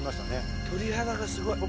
鳥肌がすごい。